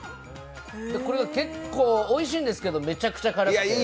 これが結構おいしいんですけど、めちゃくちゃ辛くて。